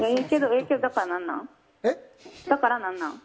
だから何なん？